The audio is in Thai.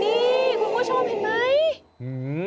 นี่คุณผู้ชมเห็นไหม